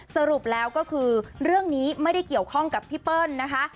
สรุปแล้วก็คือเรื่องนี้ไม่ได้เกี่ยวข้องกับพี่เปิ้ลนะคะ